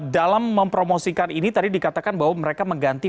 dalam mempromosikan ini tadi dikatakan bahwa mereka mengganti